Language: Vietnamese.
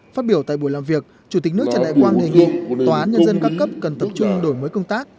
phát biểu tại buổi làm việc chủ tịch nước trần đại quang đề nghị tòa án nhân dân các cấp cần tập trung đổi mới công tác